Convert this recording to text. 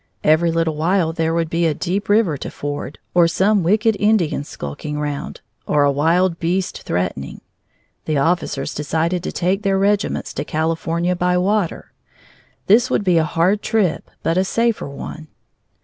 Every little while there would be a deep river to ford, or some wicked Indians skulking round, or a wild beast threatening. The officers decided to take their regiments to California by water. This would be a hard trip but a safer one.